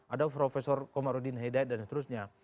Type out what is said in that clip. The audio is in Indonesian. ada prof komarudin hidayat dan seterusnya